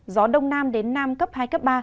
gió đông nam đến nam cấp hai cấp ba